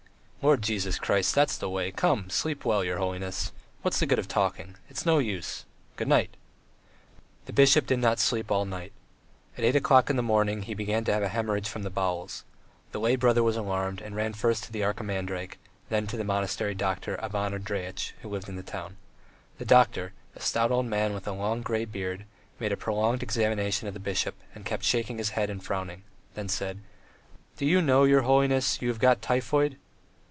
Lord Jesus Christ. ... That's the way. Come, sleep well, your holiness! ... What's the good of talking? It's no use. Good night!" The bishop did not sleep all night. And at eight o'clock in the morning he began to have hemorrhage from the bowels. The lay brother was alarmed, and ran first to the archimandrite, then for the monastery doctor, Ivan Andreyitch, who lived in the town. The doctor, a stout old man with a long grey beard, made a prolonged examination of the bishop, and kept shaking his head and frowning, then said: "Do you know, your holiness, you have got typhoid?"